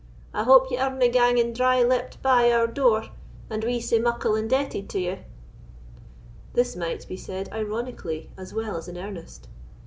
I hope ye arena ganging dry lipped by our door, and we sae muckle indebted to you?" This might be said ironically as well as in earnest.